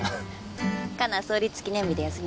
花奈創立記念日で休みだし